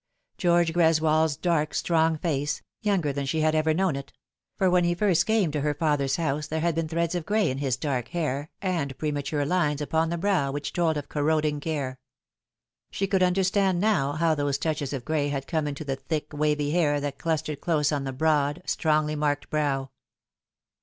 George Greswold's dark, strong face, younger than she had ever known it ; for when he first came to her father's house there had been threads of gray in his dark hair and premature lines upon the brow which told of corroding care. She could understand now how those touches of gray had come in the thick wavy hair that clustered close on the broad, strongly marked brow.